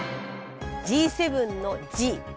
Ｇ７の「Ｇ」。